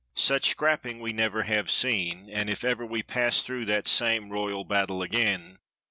Such scrapping, we never have seen, and if ever We pass through that same royal battle again.